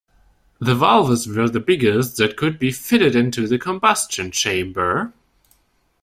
The valves were the biggest that could be fitted into the combustion chamber.